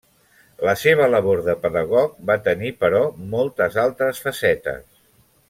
La seva labor de pedagog va tenir, però moltes altres facetes.